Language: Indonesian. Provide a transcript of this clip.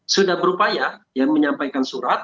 sudah berupaya menyampaikan surat